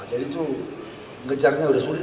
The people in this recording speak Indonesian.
jadi itu mengejarnya sudah sulit